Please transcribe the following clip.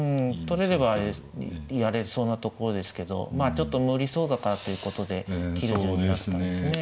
取れればやれそうなところですけどまあちょっと無理そうだからということで切る順になったんですね。